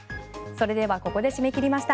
それではここで締め切りました。